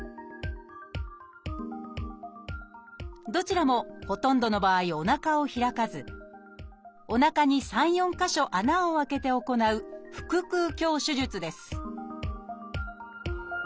どちらもほとんどの場合おなかを開かずおなかに３４か所穴を開けて行う腹腔鏡手術です